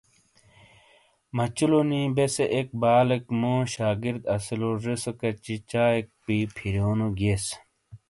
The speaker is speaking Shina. مچلو نی بیسے اک بالیک کا مو شاگرد اسیلو، زوسے کچی چائیک پی پھیریونو گیئیس۔